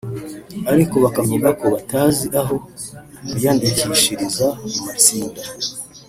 ariko bakavuga ko batazi aho biyandikishiriza mu matsinda